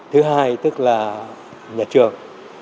thứ hai tức là nhà trường